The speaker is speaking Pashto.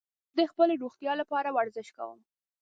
زه د خپلې روغتیا لپاره ورزش کوم.